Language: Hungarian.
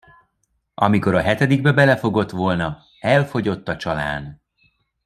Amikor a hetedikbe belefogott volna, elfogyott a csalán.